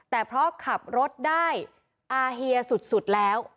แต่เพราะขับรถได้อาเฮียสุดแล้ว